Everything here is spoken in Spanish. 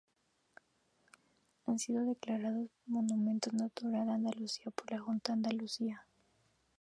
Han sido declarados monumento natural de Andalucía por la Junta de Andalucía.